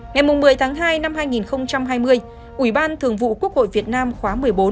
ngày một mươi tháng hai năm hai nghìn hai mươi ủy ban thường vụ quốc hội việt nam khóa một mươi bốn